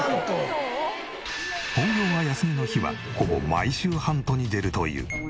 本業が休みの日はほぼ毎週ハントに出るという。